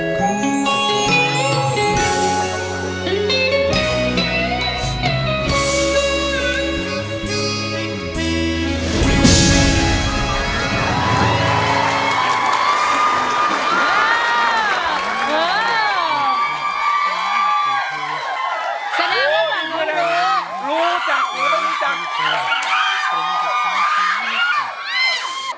รู้จักหรือไม่รู้จัก